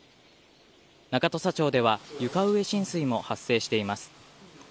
中土佐町では床上浸水も発生しています。